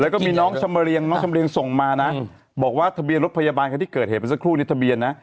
แล้วก็มีน้องชำเรียงน้องชำเรียงส่งมานะบอกว่าทะเบียนรถพยาบาลคันที่เกิดเหตุไปสักครู่นี้ทะเบียนนะ